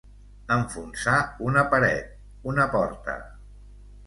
Enfonsar una paret, una porta.